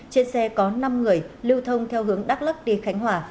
trên xe có năm người lưu thông theo hướng đắk lắc đi khánh hòa